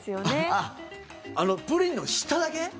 あっ、プリンの下だけ？